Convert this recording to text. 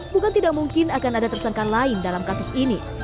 bukan tidak mungkin akan ada tersangka lain dalam kasus ini